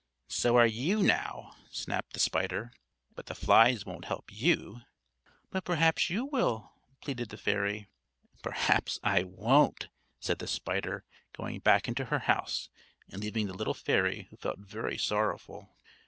"So are you, now," snapped the spider, "But the flies won't help you." "But perhaps you will," pleaded the fairy. "Perhaps I won't," said the spider, going back into her house and leaving the little fairy, who felt very sorrowful.